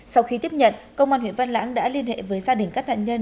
sau khi tiếp nhận công an huyện văn lãng đã liên hệ với gia đình các nạn nhân